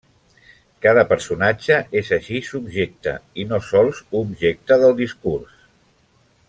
Cada personatge és així subjecte i no sols objecte del discurs.